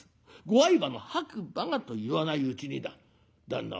ご愛馬の白馬が』と言わないうちにだ旦那